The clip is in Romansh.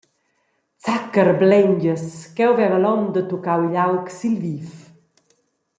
Zacherblengias, cheu veva l’onda tuccau igl aug sil viv.